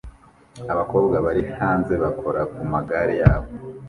abakobwa bari hanze bakora ku magare yabo